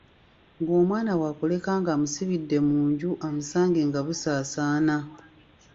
Ng’omwana waakuleka ng’amusibidde mu nju amusange nga busaasaana.